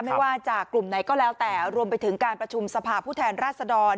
ไม่ว่าจากกลุ่มไหนก็แล้วแต่รวมไปถึงการประชุมสภาพผู้แทนราชดร